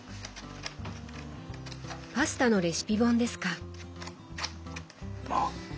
パスタのレシピ本ですか。